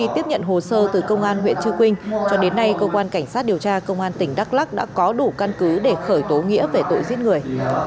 đến nay cơ quan cảnh sát điều tra công an tỉnh đắk lắc đã có đủ căn cứ để khởi tố nghĩa về tội giết người